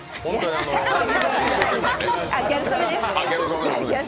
あ、ギャル曽根です。